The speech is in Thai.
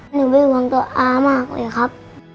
หนูไม่หวังตัวอามากเลยครับ